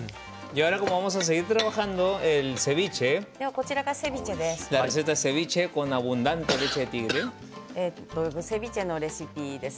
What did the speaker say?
こちらがセビチェです。